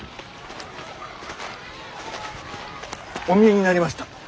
お見えになりました。